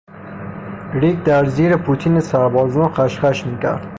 ریگ در زیر پوتین سربازان خش خش میکرد.